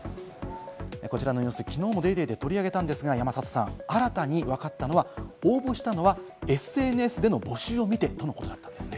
こちらのニュース、きのうも『ＤａｙＤａｙ．』で取り上げたんですが、山里さん、新たにわかったのは、応募したのはＳＮＳでの募集を見てとのことだったんですね。